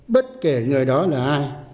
bất kể người đó là ai